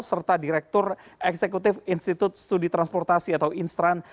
serta direktur eksekutif institut studi transportasi atau instran